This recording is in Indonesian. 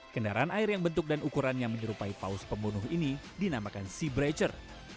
kendaraan air yang bentuk dan ukurannya menyerupai paus pembunuh ini dinamakan sea breacher